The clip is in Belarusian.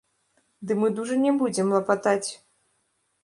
Ды мы дужа не будзем лапатаць.